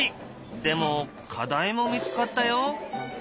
でも課題も見つかったよ。